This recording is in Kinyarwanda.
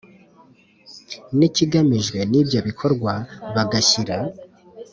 N ikigamijwe n ibyo bikorwa bagashyira